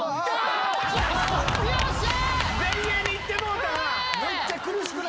前衛に行ってもうたな。